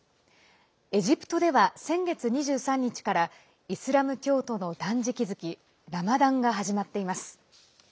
エジプトでは、先月２３日からイスラム教徒の断食月ラマダンが始まっています。